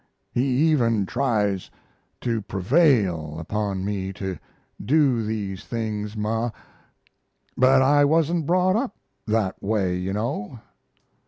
He even tries to prevail upon me to do these things, Ma, but I wasn't brought up in that way, you know.